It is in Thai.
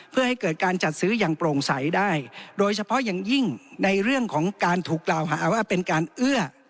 เพื่อให้เกิดการจัดซื้ออย่างโปร่งใสได้โดยเฉพาะอย่างยิ่งในเรื่องของการถูกกล่าวหาว่าเป็นการเอื้อ